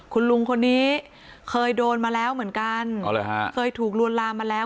คุณลุงคนนี้เคยโดนมาแล้วเหมือนกันเคยถูกลวนลามมาแล้ว